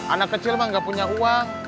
anak kecil mah nggak punya uang